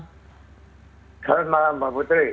selamat malam pak putri